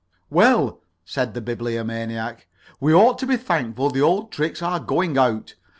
"Well," said the Bibliomaniac, "we ought to be thankful the old tricks are going out.